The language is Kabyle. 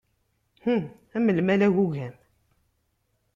Am lmal agugam.